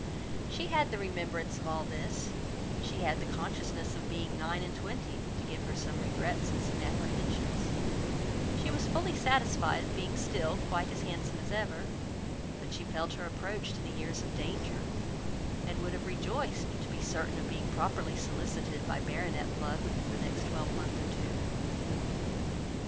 She had the remembrance of all this, she had the consciousness of being nine and twenty to give her some regrets and some apprehensions; she was fully satisfied of being still quite as handsome as ever, but she felt her approach to the years of danger, and would have rejoiced to be certain of being properly solicited by baronet blood within the next twelvemonth or two.